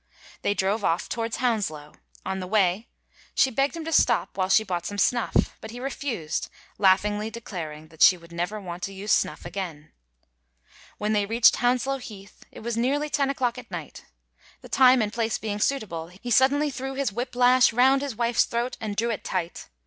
They drove off towards Hounslow. On the way she begged him to stop while she bought some snuff, but he refused, laughingly declaring she would never want to use snuff again. When they reached Hounslow Heath it was nearly ten o'clock at night. The time and place being suitable, he suddenly threw his whip lash round his wife's throat and drew it tight.